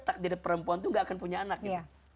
takdir perempuan itu gak akan punya anak gitu